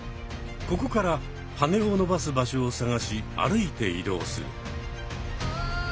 ここからはねをのばす場所を探し歩いて移動する。